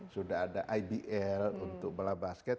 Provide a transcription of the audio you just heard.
sudah ada ibl untuk bola basket